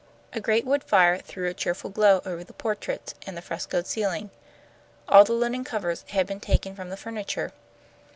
A great wood fire threw a cheerful glow over the portraits and the frescoed ceiling. All the linen covers had been taken from the furniture.